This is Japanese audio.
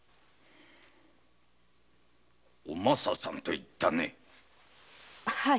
お政さんといったね。